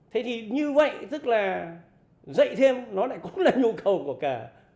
thế thì như vậy tức là dạy thêm nó lại cũng là nhu cầu của cả